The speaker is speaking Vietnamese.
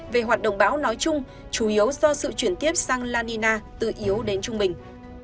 về hoạt động bão nói chung chủ yếu do sự chuyển tiếp sang la nina từ yếu đến trung bình